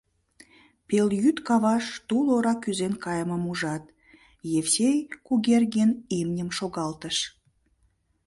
Пелйӱд каваш тул ора кӱзен кайымым ужат, Евсей Кугергин имньым шогалтыш.